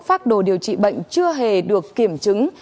phác đồ điều trị bệnh chưa hề được kiểm chứng